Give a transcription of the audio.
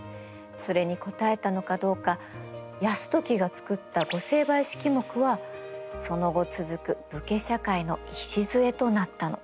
それに答えたのかどうか泰時が作った御成敗式目はその後続く武家社会の礎となったの。